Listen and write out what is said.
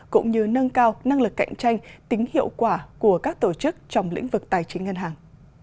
cũng như nâng cao năng lực cạnh tranh tính hiệu quả của các tổ chức trong lĩnh vực tài chính ngân hàng